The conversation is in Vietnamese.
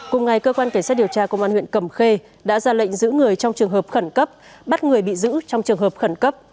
cùng ngày cơ quan cảnh sát điều tra công an huyện cầm khê đã ra lệnh giữ người trong trường hợp khẩn cấp bắt người bị giữ trong trường hợp khẩn cấp